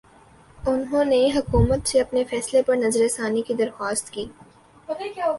نہوں نے حکومت سے اپنے فیصلے پرنظرثانی کی درخواست کی